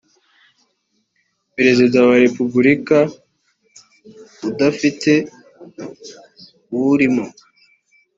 perezida wa repubulika udafite uwurimo